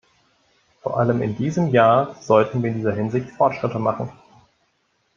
Vor allem in diesem Jahr sollten wir in dieser Hinsicht Fortschritte machen.